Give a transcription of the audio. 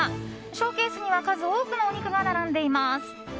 ショーケースには数多くのお肉が並んでいます。